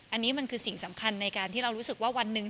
อันนี้มันคือสิ่งสำคัญในการที่เรารู้สึกว่าวันหนึ่ง